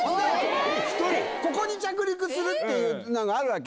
ここに着陸するっていうのがあるわけ。